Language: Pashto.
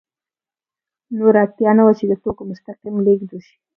نور اړتیا نه وه چې د توکو مستقیم لېږد وشي